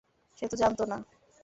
সে তো জানতো না।